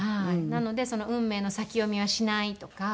なのでその「運命の先読みはしない」とか。